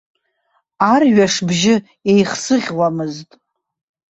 Арҩаш бжьы еихсыӷьуамызт.